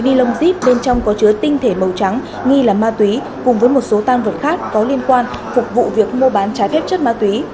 ni lông zip bên trong có chứa tinh thể màu trắng nghi là ma túy cùng với một số tan vật khác có liên quan phục vụ việc mua bán trái phép chất ma túy